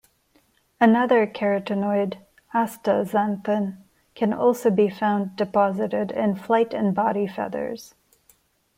Another carotenoid, astaxanthin, can also be found deposited in flight and body feathers.